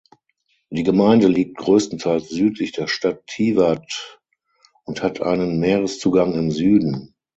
Die Gemeinde liegt größtenteils südlich der Stadt Tivat und hat einen Meereszugang im Süden.